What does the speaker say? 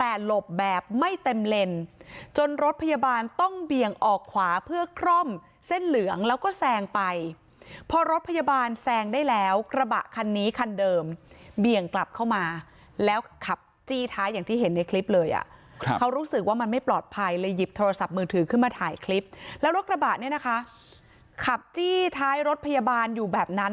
แต่หลบแบบไม่เต็มเลนจนรถพยาบาลต้องเบี่ยงออกขวาเพื่อคร่อมเส้นเหลืองแล้วก็แซงไปพอรถพยาบาลแซงได้แล้วกระบะคันนี้คันเดิมเบี่ยงกลับเข้ามาแล้วขับจี้ท้ายอย่างที่เห็นในคลิปเลยอ่ะครับเขารู้สึกว่ามันไม่ปลอดภัยเลยหยิบโทรศัพท์มือถือขึ้นมาถ่ายคลิปแล้วรถกระบะเนี่ยนะคะขับจี้ท้ายรถพยาบาลอยู่แบบนั้น